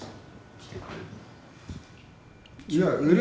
来てくれるの。